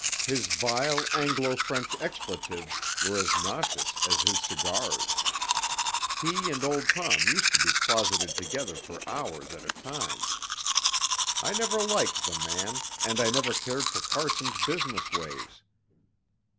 His vile Anglo French expletives were as nauseous as his cigars. He and old Tom used to be closeted together for hours at a time. I never liked the man, and I never cared for Carson's business ways.